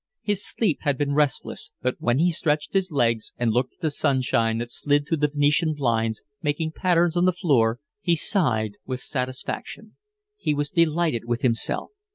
His sleep had been restless; but when he stretched his legs and looked at the sunshine that slid through the Venetian blinds, making patterns on the floor, he sighed with satisfaction. He was delighted with himself.